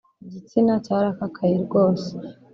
Igitsina cyarakakaye rwose